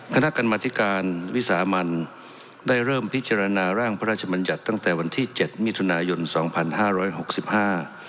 คณะกรรมธิการวิสามันได้เริ่มพิจารณาร่างพระราชมัญญัติตั้งแต่วันที่เจ็ดมิถุนายนสองพันห้าร้อยหกสิบห้า